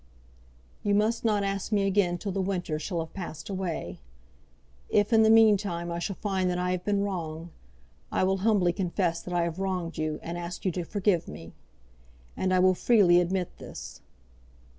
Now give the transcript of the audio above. You must not ask me again till the winter shall have passed away. If in the meantime I shall find that I have been wrong, I will humbly confess that I have wronged you, and ask you to forgive me. And I will freely admit this.